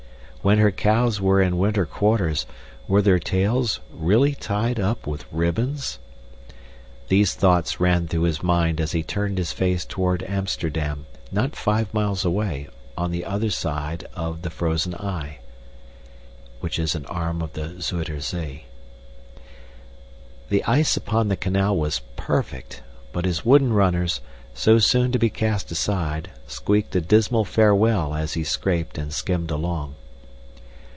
When her cows were in winter quarters, were their tails really tied up with ribbons? These thoughts ran through his mind as he turned his face toward Amsterdam, not five miles away, on the other side of the frozen Y. *{Pronounced eye, an arm of the Zuider Zee.} The ice upon the canal was perfect, but his wooden runners, so soon to be cast aside, squeaked a dismal farewell as he scraped and skimmed along.